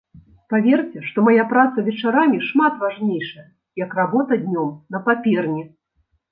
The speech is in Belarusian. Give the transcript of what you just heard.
Паверце, што мая праца вечарамі шмат важнейшая, як работа днём на паперні.